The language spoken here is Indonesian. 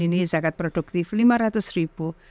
ini zakat produktif lima ratus ribu